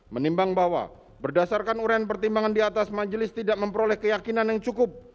menimbang bahwa berdasarkan urean pertimbangan di atas majelis tidak memperoleh keyakinan yang cukup